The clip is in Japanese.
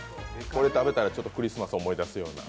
これ食べたらクリスマス思い出すような？